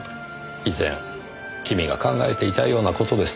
以前君が考えていたような事です。